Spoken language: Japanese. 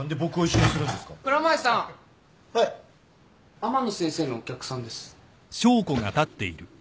天野先生のお客さんです。